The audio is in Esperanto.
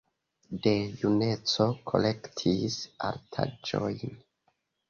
De juneco kolektis artaĵojn.